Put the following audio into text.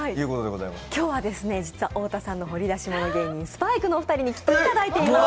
今日は実は太田さんの掘り出し物芸人、スパイクのお二人に来ていただいています。